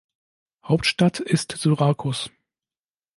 Hauptstadt ist Syrakus.